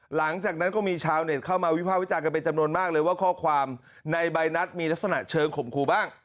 หลังจากนั้นก็มีชาวเน็ตเข้ามาวิภาควิจารณ์เป็นจำนวนมากเลยว่าข้อความในใบนัดมีลักษณะเชิงข่มขู่บ้าง